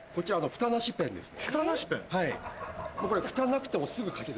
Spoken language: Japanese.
フタなしペンですね。